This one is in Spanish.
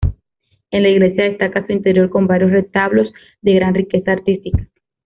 En la iglesia destaca su interior, con varios retablos de gran riqueza artística.